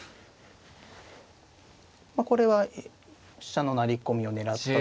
これは飛車の成り込みを狙った手で。